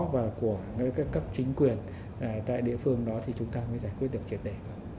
và của các chính quyền tại địa phương đó thì chúng ta mới giải quyết được triệt để